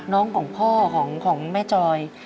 ของพ่อของแม่จอย